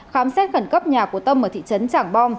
khám xét khẩn cấp nhà của tâm ở thị trấn trảng bom